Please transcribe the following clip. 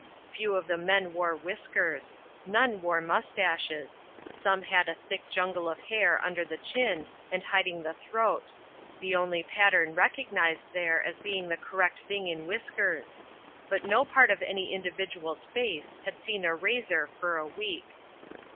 Few of the men wore whiskers; none wore moustaches; some had a thick jungle of hair under the chin and hiding the throat the only pattern recognized there as being the correct thing in whiskers; but no part of any individual's face had seen a razor for a week.